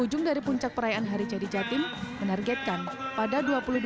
ujung dari puncak perayaan hari jadi jatim menargetkan pada dua ribu dua puluh